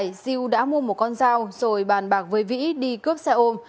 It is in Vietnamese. giàng xeo diêu đã mua một con dao rồi bàn bạc với vĩ đi cướp xe ôm